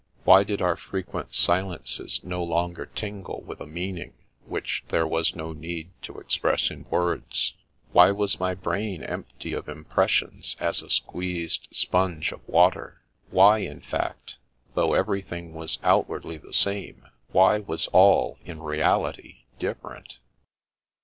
Why did our frequtat silences no longer tingle with a meaning which there was no need to express in words ? Why was my brain empty of im pressions as a squeezed sponge of water? Why, in fact, though everything was outwardly the same, why was all in reality different